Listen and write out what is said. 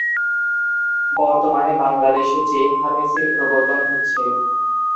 বর্তমানে বাংলাদেশে "চেইন ফার্মেসি"-র প্রবর্তন হচ্ছে।